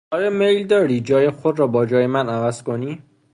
آیا میل داری جای خود را با جای من عوض کنی؟